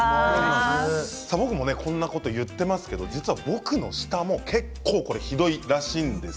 僕もこんなことを言ってますけれども僕の舌も結構ひどいらしいんです。